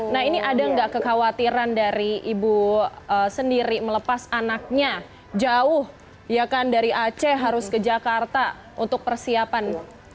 nah ini ada nggak kekhawatiran dari ibu sendiri melepas anaknya jauh ya kan dari aceh harus ke jakarta untuk persiapan